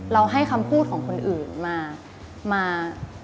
ให้คำพูดของคนอื่นมา